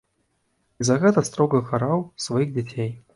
І за гэта строга караў сваіх дзяцей.